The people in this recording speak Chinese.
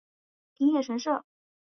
平野神社。